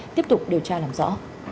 tiếp tục điều tra làm rõ